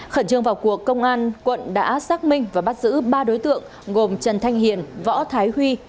khẩn trương vào cuộc công an quận đã xác minh và bắt giữ ba đối tượng gồm trần thanh hiền võ thái huy